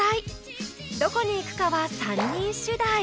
どこに行くかは３人次第！